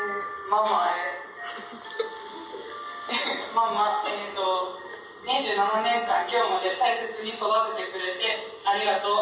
ママ２７年間今日まで大切に育ててくれてありがとう。